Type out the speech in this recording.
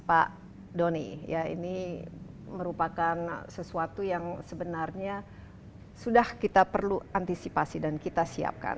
pak doni ya ini merupakan sesuatu yang sebenarnya sudah kita perlu antisipasi dan kita siapkan